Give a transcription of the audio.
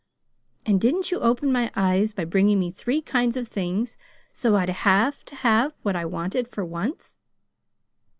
And didn't you open my eyes by bringing me three kinds of things so I'd HAVE to have what I wanted, for once?"